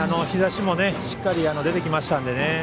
日ざしもしっかり出てきました。